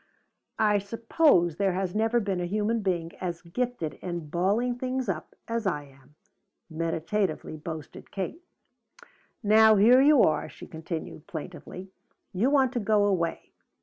"I suppose there has never been a human being as gifted in balling things up as I am," meditatively boasted Kate. "Now here you are," she continued plaintively. "You want to go away.